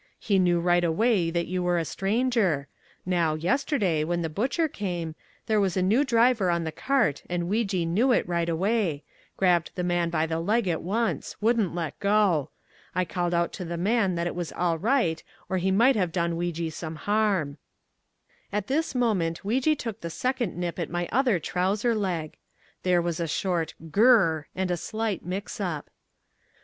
He knew right away that you were a stranger, now, yesterday, when the butcher came, there was a new driver on the cart and Weejee knew it right away, grabbed the man by the leg at once, wouldn't let go. I called out to the man that it was all right or he might have done Weejee some harm." At this moment Weejee took the second nip at my other trouser leg. There was a short GUR R R and a slight mix up.